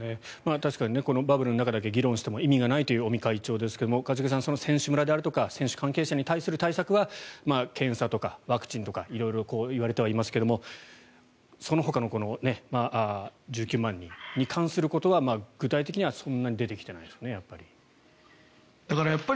確かにバブルの中だけ議論しても意味がないという尾身会長ですが一茂さん、その選手村であるとか選手の関係者に対する対策検査とかワクチンとか色々言われてはいますがそのほかの１９万人に関することは具体的にはそんなに出てきていないですねやっぱり。